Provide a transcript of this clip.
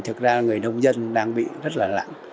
thì thực ra là người nông dân đang bị rất là lặng